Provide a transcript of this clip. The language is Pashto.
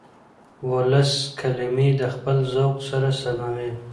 ولس کلمې د خپل ذوق سره سموي.